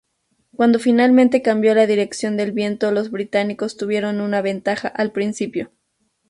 Cuando finalmente cambió la dirección del viento los británicos tuvieron una ventaja al principio.